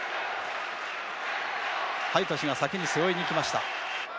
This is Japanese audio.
ハイトシュが先に背負いにいきました。